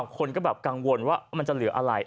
คนก็แบบกังวลว่ามันจะเหลืออะไร